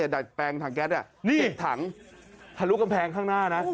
ดัดแปลงถังแก๊สติดถังทะลุกำแพงข้างหน้านะ